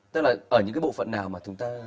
tức là ở những cái bộ phận nào mà chúng ta